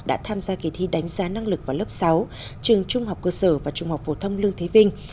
đã tham gia kỳ thi đánh giá năng lực vào lớp sáu trường trung học cơ sở và trung học phổ thông lương thế vinh